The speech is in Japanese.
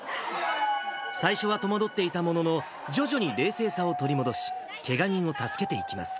最初は戸惑っていたものの、徐々に冷静さを取り戻し、けが人を助けていきます。